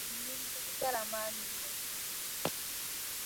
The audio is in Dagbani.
N nimbihi kara maa ne yuŋ pam.